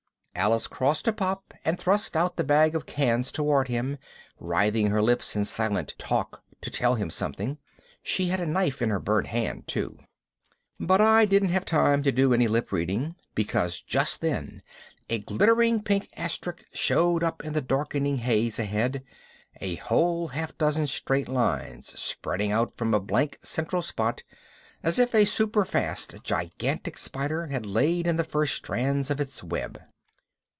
Alice crossed to Pop and thrust out the bag of cans toward him, writhing her lips in silent "talk" to tell him something. She had a knife in her burnt hand too. But I didn't have time to do any lip reading, because just then a glittering pink asterisk showed up in the darkening haze ahead a whole half dozen straight lines spreading out from a blank central spot, as if a super fast gigantic spider had laid in the first strands of its web.